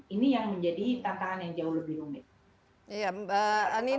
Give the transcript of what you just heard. ini yang menjadi tantangan yang jauh lebih rumit